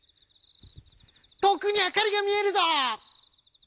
「とおくにあかりがみえるぞ！」。